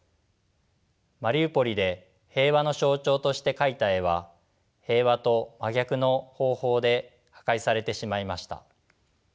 マリウポリで平和の象徴として描いた絵は平和と真逆の方法で破壊されてしまいました。